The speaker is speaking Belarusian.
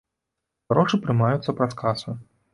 Грошы прымаюцца праз касу.